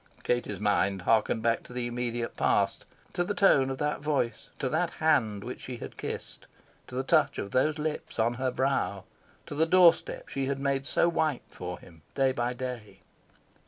Katie's mind harked back to the immediate past to the tone of that voice, to that hand which she had kissed, to the touch of those lips on her brow, to the door step she had made so white for him, day by day...